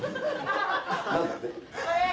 ・何だって？